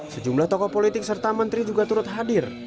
sejumlah tokoh politik serta menteri juga turut hadir